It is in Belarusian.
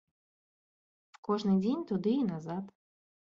Кожны дзень туды і назад.